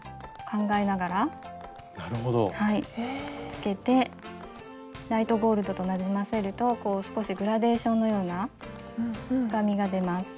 つけてライトゴールドとなじませると少しグラデーションのような深みが出ます。